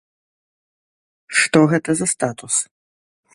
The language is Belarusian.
Што гэта за статус?